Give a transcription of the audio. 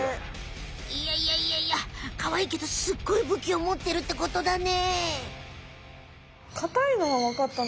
いやいやいやいやカワイイけどすっごい武器をもってるってことだね。